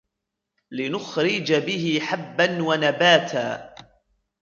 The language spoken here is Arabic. لِنُخْرِجَ بِهِ حَبًّا وَنَبَاتًا